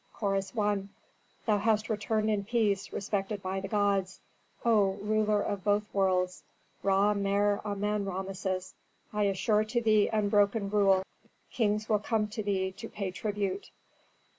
Chorus I. "Thou hast returned in peace, respected by the gods, O ruler of both worlds, Ra Mer Amen Rameses. I assure to thee unbroken rule; kings will come to thee to pay tribute."